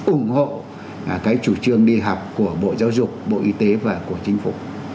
ủng hộ cái chủ trương đi học của bộ giáo dục bộ y tế và của chính phủ